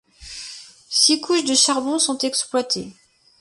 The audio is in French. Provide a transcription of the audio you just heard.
Six couches de charbon sont exploitées.